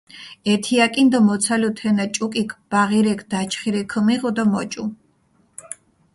ეთიაკინ დო მოცალჷ თენა ჭუკიქ, ბაღირექ დაჩხირი ქჷმიღუ დო მოჭუ.